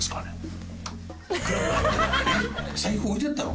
財布置いてあったの？